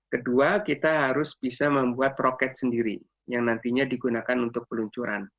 kedua kita harus bisa membuat roket sendiri yang nantinya digunakan untuk peluncuran